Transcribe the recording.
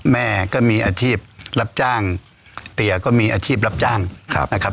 แม่ก็มีอาชีพรับจ้างเตียก็มีอาชีพรับจ้างนะครับ